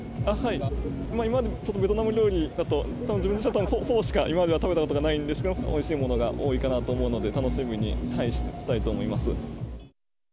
今までちょっとベトナム料理だと、たぶんフォーしか今までは食べたことがないんですけど、おいしいものが多いかなと思うので、楽しみにしたいと思います。